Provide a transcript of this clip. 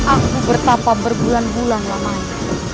aku bertapa berbulan bulan lamanya